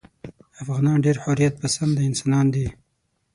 افغانان ډېر حریت پسنده انسانان دي.